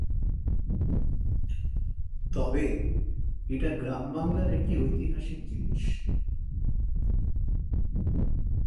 তবে এটা গ্রাম বাংলার একটি ঐতিহাসিক জিনিস।